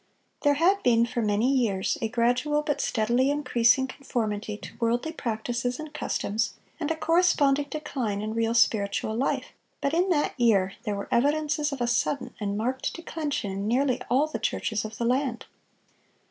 There had been for many years a gradual but steadily increasing conformity to worldly practices and customs, and a corresponding decline in real spiritual life; but in that year there were evidences of a sudden and marked declension in nearly all the churches of the land.